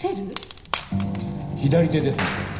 左手で刺したとか？